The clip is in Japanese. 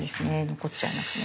残っちゃいますね。